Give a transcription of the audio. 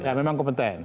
ya memang kompeten